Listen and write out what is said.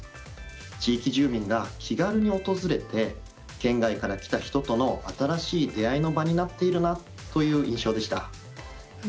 地域住民が気軽に訪れて県外から訪れた人との新しい出会いの場になっているなという印象でした。